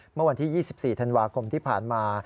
เมื่อวันที่๒๔ธันวาคมที่ผ่านมา